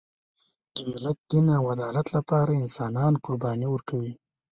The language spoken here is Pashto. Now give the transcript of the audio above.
د ملت، دین او عدالت لپاره انسانان قرباني ورکوي.